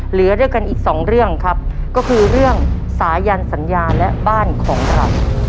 เหลือด้วยกันอีกสองเรื่องครับก็คือเรื่องสายันสัญญาและบ้านของเรา